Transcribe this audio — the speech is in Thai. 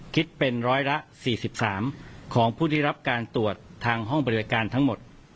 คิดเป็นร้อยละ๔๓ของผู้ที่รับการตรวจทางห้องบริการทั้งหมด